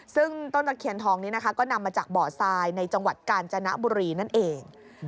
ซึ่งต้นตะเคียนทองนี้นะคะก็นำมาจากบ่อทรายในจังหวัดกาญจนบุรีนั่นเอง